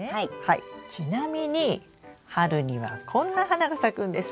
ちなみに春にはこんな花が咲くんです。